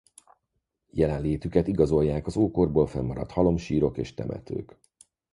Jelenlétüket igazolják az ókorból fennmaradt halomsírok és temetők.